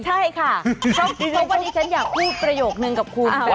ใช่ค่ะเพราะว่าที่ฉันอยากพูดประโยคนึงกับครูเขา